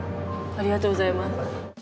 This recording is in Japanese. ありがとうございます。